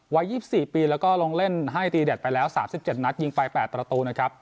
วัย๒๔ปีแล้วก็ลงเล่นให้ตีเด็ดไปแล้ว๓๗นัดยิงไป๘ประตูนะครับ